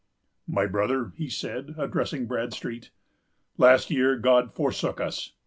"My brother," he said, addressing Bradstreet, "last year God forsook us.